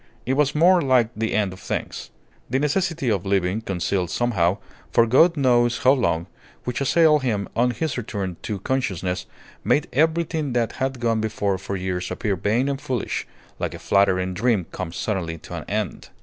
It was more like the end of things. The necessity of living concealed somehow, for God knows how long, which assailed him on his return to consciousness, made everything that had gone before for years appear vain and foolish, like a flattering dream come suddenly to an end.